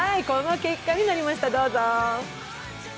この結果になりました、どうぞ。